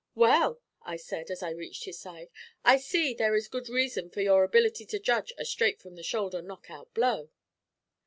'Well,' I said, as I reached his side, 'I see there is good reason for your ability to judge a "straight from the shoulder" knock out blow.'